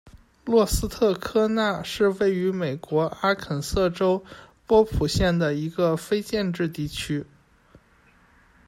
洛斯特科纳是位于美国阿肯色州波普县的一个非建制地区。